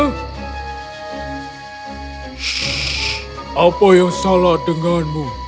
apa yang salah denganmu